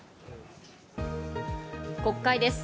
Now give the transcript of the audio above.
国会です。